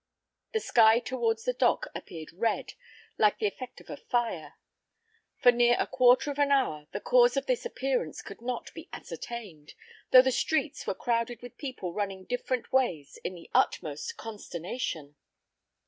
The sky towards the Dock appeared red, like the effect of a fire; for near a quarter of an hour the cause of this appearance could not be ascertained, though the streets were crowded with people running different ways in the utmost consternation.